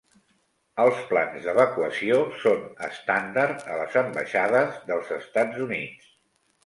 Els plans d'evacuació són estàndard a les ambaixades dels Estats Units.